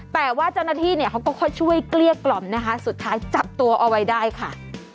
แต่ว่าเจ้าหน้าที่เนี่ยเขาก็ค่อยช่วยเกลี้ยกล่อมนะคะสุดท้ายจับตัวเอาไว้ได้ค่ะ